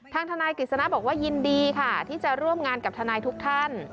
ทางทนายกฤษณะบอกว่ายินดีค่ะที่จะร่วมงานกับทนายทุกท่าน